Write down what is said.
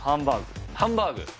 ハンバーグ。